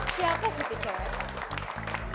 siapa sih itu cewek